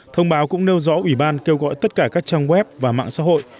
thông báo cũng nêu rõ ủy ban kêu gọi tất cả các trang web và mạng xã hội